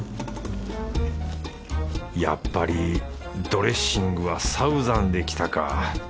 やっぱりドレッシングはサウザンできたか。